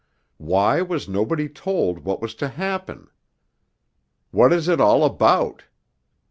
Why was nobody told what was to happen? What is it all about?